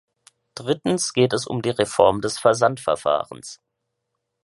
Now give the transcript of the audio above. Drittens geht es um die Reform des Versandverfahrens.